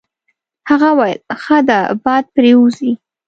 هغه وویل: ښه ده باد پرې وځي.